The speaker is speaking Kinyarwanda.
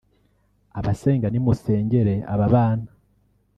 Abasenga nimusengere aba bana